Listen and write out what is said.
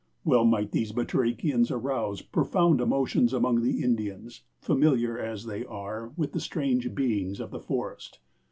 Well might these batrachians arouse profound emotions among the Indians, familiar as they are with the strange beings of the forest.